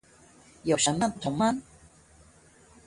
有什麼不同嗎？